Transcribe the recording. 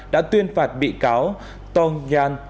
đã tuyên phạt bị cáo tong nhan